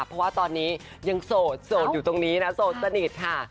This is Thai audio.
เพราะว่าตอนนี้ยังโสดโสดอยู่ตรงนี้นะโสดสนิทค่ะ